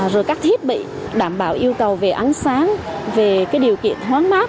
rồi các thiết bị đảm bảo yêu cầu về ánh sáng về cái điều kiện thoáng mát